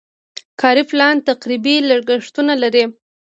کاري پلان تقریبي لګښتونه لري.